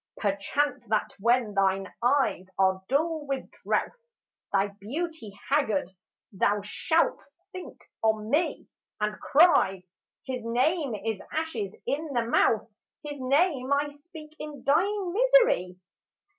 Perchance that when thine eyes are dull with drouth, Thy beauty haggard, thou shalt think on me And cry, " His name is ashes in the mouth ! His name I speak in dying misery."